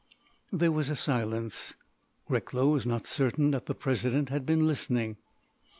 There was a silence. Recklow was not certain that the President had been listening.